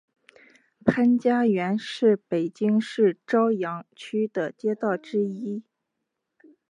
潘家园是北京市朝阳区的街道之一。